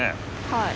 はい。